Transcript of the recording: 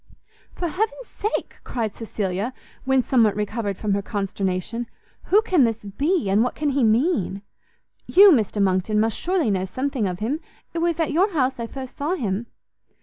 "For heaven's sake," cried Cecilia, when somewhat recovered from her consternation, "who can this be, and what can he mean? You, Mr Monckton, must surely know something of him; it was at your house I first saw him."